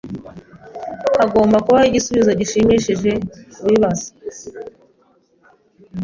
Hagomba kubaho igisubizo gishimishije kubibaza